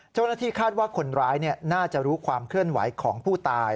เจ้าหน้าที่คาดว่าคนร้ายน่าจะรู้ความเคลื่อนไหวของผู้ตาย